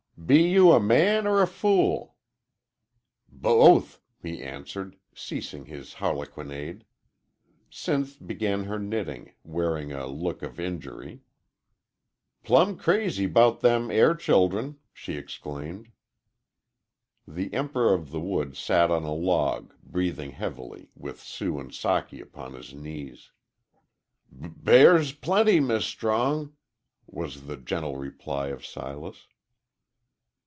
"Be you a man 'or a fool?" "Both;" he answered, ceasing his harlequinade. Sinth began her knitting, wearing, a look of injury. "Plumb crazy 'bout them air childern!" she exclaimed. The "Emperor of the Woods" sat on a log, breathing heavily, with Sue and Socky upon his knees. "B bears plenty, Mis' Strong," was the gentle reply of Silas.